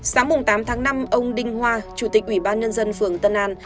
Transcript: sáng tám tháng năm ông đinh hoa chủ tịch ủy ban nhân dân phường tân an